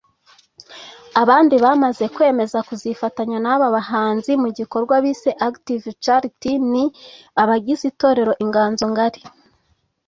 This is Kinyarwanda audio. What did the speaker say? Abandi bamaze kwemeza kuzifatanya n’aba bahanzi mu gikorwa bise Active Charity ni abagize Itorero Inganzo Ngari